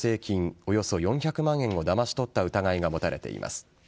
およそ４００万円をだまし取った疑いが持たれています。